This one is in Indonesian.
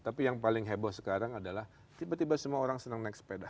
tapi yang paling heboh sekarang adalah tiba tiba semua orang senang naik sepeda